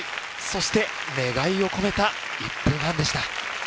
そして願いを込めた１分半でした。